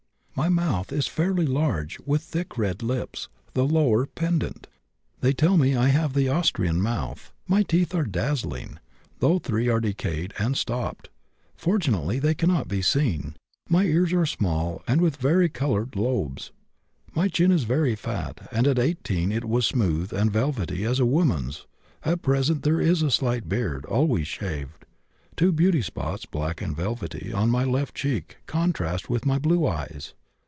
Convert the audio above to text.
My mouth is fairly large, with thick red lips, the lower pendent; they tell me I have the Austrian mouth. My teeth are dazzling, though three are decayed and stopped; fortunately, they cannot be seen. My ears are small and with very colored lobes. My chin is very fat, and at 18 it was smooth and velvety as a woman's; at present there is a slight beard, always shaved. Two beauty spots, black and velvety, on my left cheek, contrast with my blue eyes.